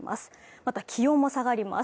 また気温も下がります